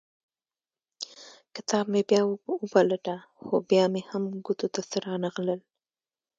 کتاب مې بیا وپلټه خو بیا مې هم ګوتو ته څه رانه غلل.